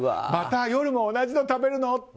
また夜も同じの食べるの？